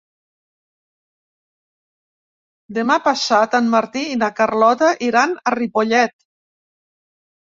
Demà passat en Martí i na Carlota iran a Ripollet.